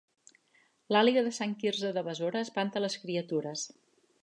L'àliga de Sant Quirze de Besora espanta les criatures